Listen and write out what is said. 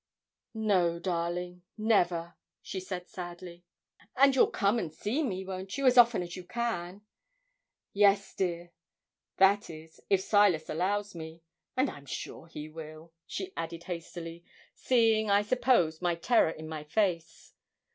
'No, darling, never,' she said, sadly. 'And you'll come and see me, won't you, as often as you can?' 'Yes, dear; that is if Silas allows me; and I'm sure he will,' she added hastily, seeing, I suppose, my terror in my face.